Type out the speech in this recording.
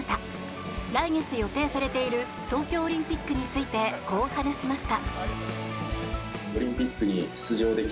来月予定されている東京オリンピックについてこう話しました。